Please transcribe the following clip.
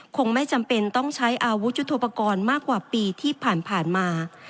คงไม่จำเป็นต้องใช้อาวุธยุทธโปรกรณ์มากกว่าปีที่ผ่านมา